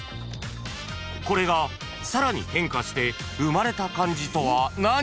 ［これがさらに変化して生まれた漢字とは何？］